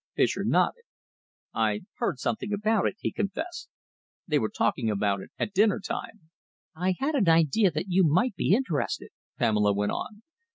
Fischer nodded. "I heard something about it," he confessed. "They were talking about it at dinner time." "I had an idea that you might be interested," Pamela went on.